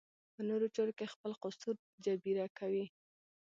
په نورو چارو کې خپل قصور جبېره کوي.